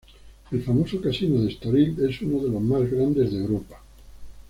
El famoso Casino de Estoril es uno de los más grandes de Europa.